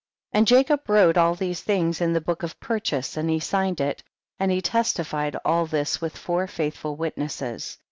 26. And Jacob wrote all these things in the book of purchase, and he signed it, and he testified all this with four faithful witnesses.